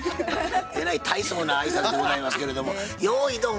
えらい大層な挨拶でございますけれども「よーいドン」